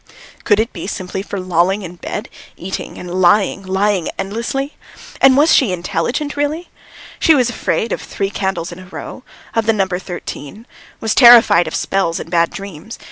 Could it simply be for lolling in bed, eating and lying, lying endlessly? And was she intelligent really? She was afraid of three candles in a row, of the number thirteen, was terrified of spells and bad dreams.